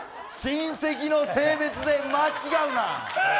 親戚の性別で間違うな。